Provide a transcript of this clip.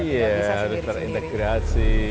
iya harus terintegrasi